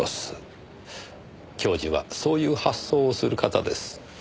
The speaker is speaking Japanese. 教授はそういう発想をする方です。